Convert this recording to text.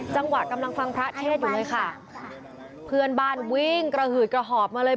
กำลังฟังพระเทศอยู่เลยค่ะเพื่อนบ้านวิ่งกระหืดกระหอบมาเลย